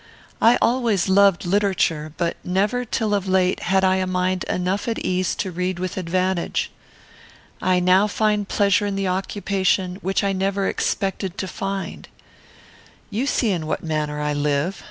I always loved literature, but never, till of late, had I a mind enough at ease to read with advantage. I now find pleasure in the occupation which I never expected to find. "You see in what manner I live.